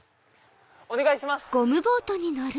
お願いします。